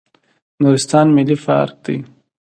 نورستان ملي پارک دی